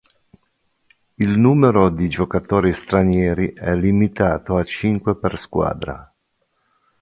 Il numero di giocatori stranieri è limitato a cinque per squadra.